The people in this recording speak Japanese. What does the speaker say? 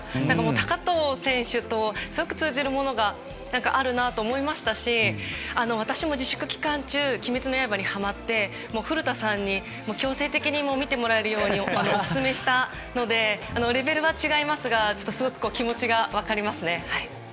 高藤選手とすごく通じるものがあるなと思いましたし私も自粛期間中「鬼滅の刃」にハマって古田さんに強制的に見てもらえるようにオススメしたのでレベルは違いますがすごく気持ちが分かりますね。